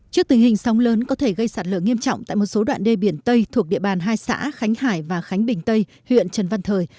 trước tình hình sông lớn có thể gây sạt lở nghiêm trọng tại một số đoạn đê biển tây thuộc địa bàn hai xã khánh hải và khánh bình tây huyện trần văn thời